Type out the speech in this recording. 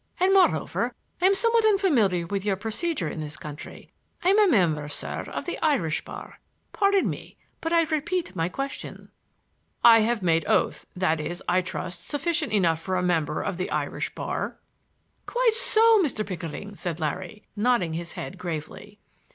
And, moreover, I am somewhat unfamiliar with your procedure in this country. I am a member, sir, of the Irish Bar. Pardon me, but I repeat my question." "I have made oath—that, I trust, is sufficient even for a member of the Irish Bar." "Quite so, Mr. Pickering," said Larry, nodding his head gravely.